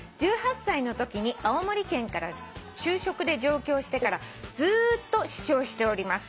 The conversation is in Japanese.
「１８歳のときに青森県から就職で上京してからずーっと視聴しております」